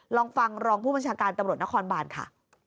ลองฟังรองผู้บัญชาการตำรวจนครบานค่ะ